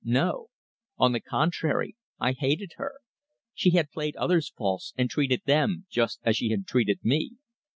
No. On the contrary, I hated her. She had played others false and treated them just as she had treated me.